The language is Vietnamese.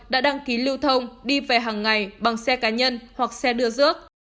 đã đăng ký lưu thông đi về hàng ngày bằng xe cá nhân hoặc xe đưa rước